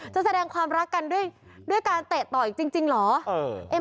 แสดงความรักกันด้วยการเตะต่ออีกจริงเหรอ